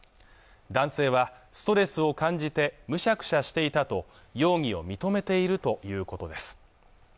男性はストレスを感じてむしゃくしゃしていたと容疑を認めているということです